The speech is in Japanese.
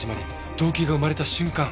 動機が生まれた瞬間。